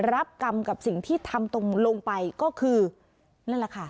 รับกรรมกับสิ่งที่ทำตรงลงไปก็คือนั่นแหละค่ะ